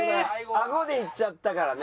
あごでいっちゃったからね。